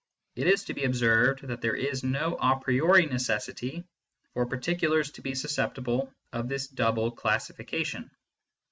It is to be observed that there is no a priori necessity for particulars to be susceptible of this double classification.